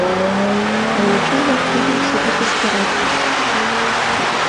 А йоча-влак тудым шыпак эскерат.